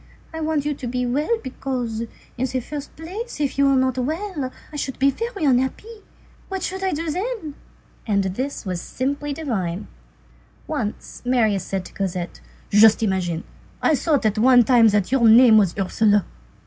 I want you to be well, because, in the first place, if you were not well, I should be very unhappy. What should I do then?" And this was simply divine. Once Marius said to Cosette:— "Just imagine, I thought at one time that your name was Ursule."